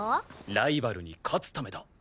ライバルに勝つためだ！